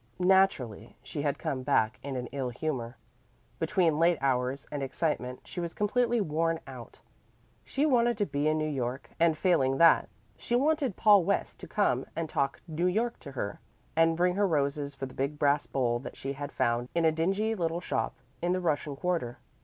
Naturally she had come back in an ill humor. Between late hours and excitement she was completely worn out. She wanted to be in New York, and failing that she wanted Paul West to come and talk New York to her, and bring her roses for the big brass bowl that she had found in a dingy little shop in the Russian quarter.